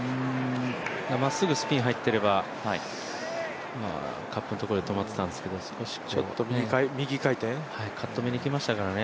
まっすぐスピン入ってればカップのところで止まってたんですけど、カット目にいきましたからね。